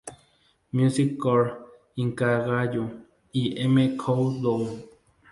Music Core", "Inkigayo", y "M Countdown".